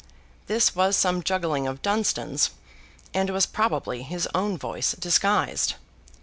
This was some juggling of Dunstan's, and was probably his own voice disguised.